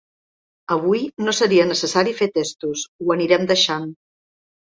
Avui no seria necessari fer testos, ho anirem deixant